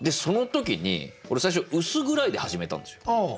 その時に俺最初「薄暗い」で始めたんですよ。